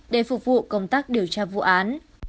để phục vụ công tác điều tra vụ án